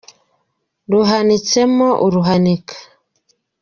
Ruhanitsemo uruhanika